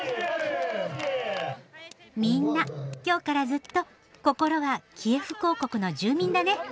みんな今日からずっと心はキエフ公国の住民だね。